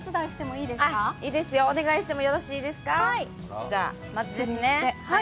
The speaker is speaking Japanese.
いいですよ、お願いしてもいいですか。